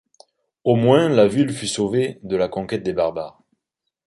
Au moins la ville fut sauvée de la conquête des Barbares.